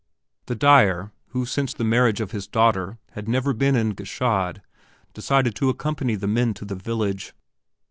The dyer who since the marriage of his daughter had never been in Gschaid decided to accompany the men to the village.